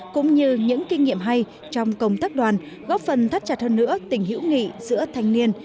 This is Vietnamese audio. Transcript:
cũng như những kinh nghiệm hay trong công tác đoàn góp phần thắt chặt hơn nữa tình hữu nghị giữa thanh niên